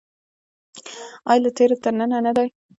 آیا له تیرو تر ننه نه دی؟